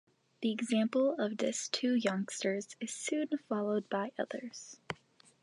The example of this two youngsters is soon followed by others.